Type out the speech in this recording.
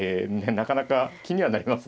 なかなか気にはなりますので。